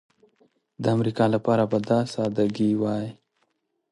د امریکا لپاره به دا سادګي وای.